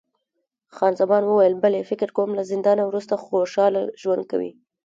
خان زمان وویل، بلی، فکر کوم له زندانه وروسته خوشحاله ژوند کوي.